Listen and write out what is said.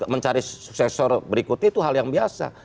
mencari suksesor berikutnya itu hal yang biasa